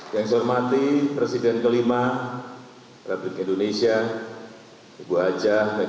yang saya hormati presiden kelima republik indonesia ibu hj md hj